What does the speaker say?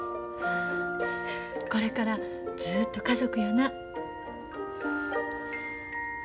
これからずっと家族やな。